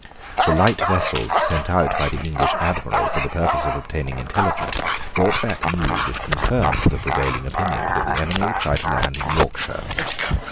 The light vessels sent out by the English Admiral for the purpose of obtaining intelligence brought back news which confirmed the prevailing opinion that the enemy would try to land in Yorkshire.